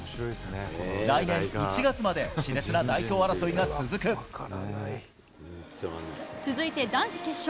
来年１月まで、しれつな代表争い続いて男子決勝。